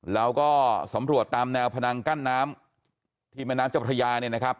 เราก็สำรวจตามแนวพนังกั้นน้ำที่แม่น้ำเจ้าพระยาเนี่ยนะครับ